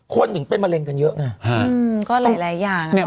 คนถึงเป็นมะเร็งกันเยอะไงก็หลายอย่าง